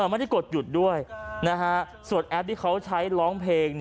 ไม่ได้กดหยุดด้วยส่วนแอปที่เขาใช้ร้องเพลง